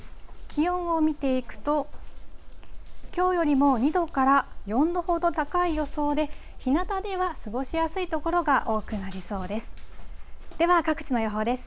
気温を見ていくと、きょうよりも２度から４度ほど高い予想で、ひなたでは過ごしやすい所が多くなりそうです。